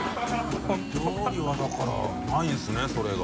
鼠㈭だからないんですねそれが。